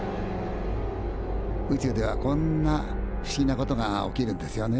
宇宙ではこんな不思議なことが起きるんですよねえ。